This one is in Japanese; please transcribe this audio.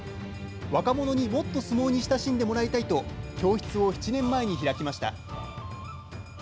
若者にもっと相撲に親しんでもらいたいと、教室を７年前に開きました。